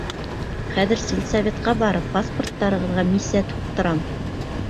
Хәҙер сельсоветҡа барып паспорттарығыҙға мисәт һуҡтырам!